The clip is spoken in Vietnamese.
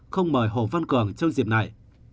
không mời hồ văn cường trong dịp này